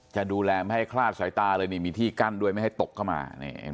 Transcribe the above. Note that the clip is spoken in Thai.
จะดูแลไม่ให้คลาดสายตาเลยนี่มีที่กั้นด้วยไม่ให้ตกเข้ามา